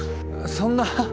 そんな。